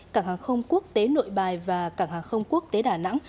cảng hàng không quốc tế nội bài và cảng hàng không quốc tế đà nẵng